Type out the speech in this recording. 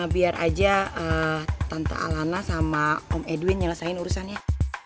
biar aja tante alana sama om edwin nyelesain urusannya